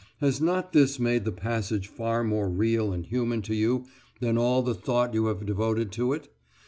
Has not this made the passage far more real and human to you than all the thought you have devoted to it?